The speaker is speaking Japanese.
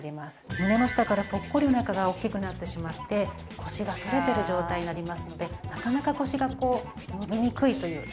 胸の下からポッコリお腹が大きくなってしまって腰が反れてる状態になりますのでなかなか腰がこう伸びにくいというタイプになります。